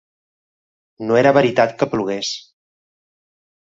No era veritat que plogués.